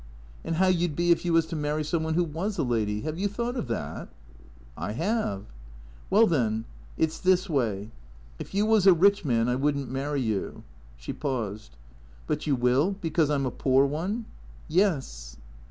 " And how you 'd be if you was to marry some one who was a lady ? Have you thought of that ?" "I have." " Well then, it 's this way. If you was a rich man I would n't marry you." She paused. " But you will, because I 'm a poor one ?"" Yes."